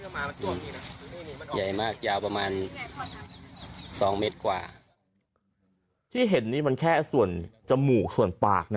มาใหญ่มากยาวประมาณสองเมตรกว่าที่เห็นนี่มันแค่ส่วนจมูกส่วนปากน่ะ